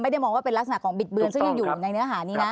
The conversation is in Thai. ไม่ได้มองว่าเป็นลักษณะของบิดเบือนซึ่งยังอยู่ในเนื้อหานี้นะ